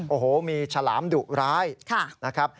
โอ้โหมีฉลามดุร้ายนะครับ